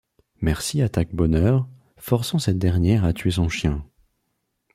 Mercy attaque Bonheur, forçant cette dernière à tuer son chien.